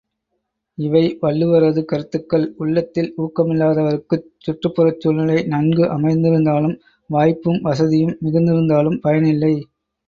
இவை வள்ளுவரது கருத்துக்கள், உள்ளத்தில் ஊக்கமில்லாதவர்க்குச் சுற்றுப்புறச் சூழ்நிலை நன்கு அமைந்திருந்தாலும், வாய்ப்பும் வசதியும் மிகுந்திருந்தாலும் பயனில்லை.